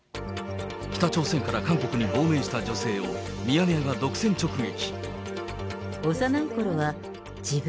北朝鮮から韓国に亡命した女性を、ミヤネ屋が独占直撃。